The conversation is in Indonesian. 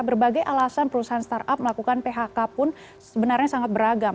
berbagai alasan perusahaan startup melakukan phk pun sebenarnya sangat beragam